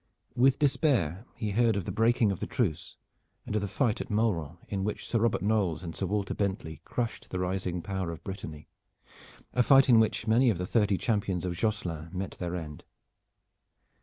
With despair he heard of the breaking of the truce, and of the fight at Mauron in which Sir Robert Knolles and Sir Walter Bentley crushed the rising power of Brittany a fight in which many of the thirty champions of Josselin met their end.